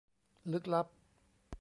ลึกลับ